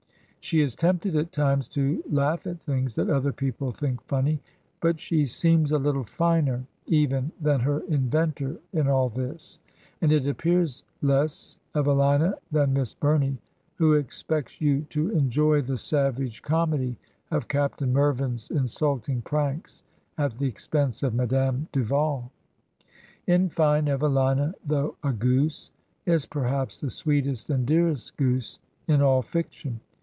She is tempted at times to laugh at things that other people think funny, but she seems a Kttle finer even than her inventor in all this, and it appears less Evelina than Miss Burney who §xpect3 you to enjoy the savage com edy of Captain Mervin's insulting pranks at the ex pense of Madame Duval. In fine, Evelina, though a goose, is perhaps the sweetest and dearest goose in all fiction.